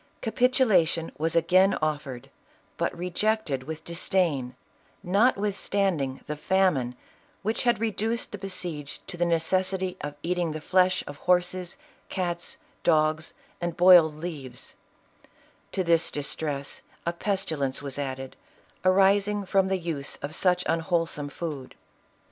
Capitulation was again offered, but rejected with disdain, notwithstanding the famine which had reduced the besieged to the neces sity of eating the flesh of horses, cats, dogs, and boiled leaves ; to this distress a pestilence was added, arising from the use of such unwholesome food.